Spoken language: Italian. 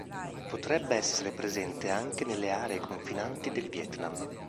Potrebbe essere presente anche nelle aree confinanti del Vietnam.